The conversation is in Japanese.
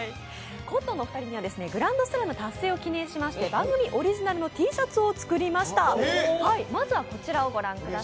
コットンのお二人にはグランドスラム達成を記念しまして、オリジナルＴシャツをお作りしました。